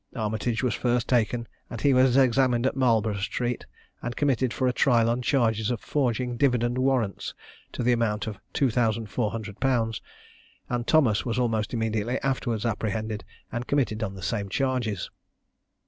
Armitage was first taken, and he was examined at Marlborough street, and committed for trial on charges of forging dividend warrants to the amount of £2400; and Thomas was almost immediately afterwards apprehended, and committed on the same charges.